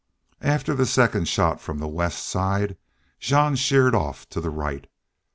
After the second shot from the west side Jean sheered off to the right.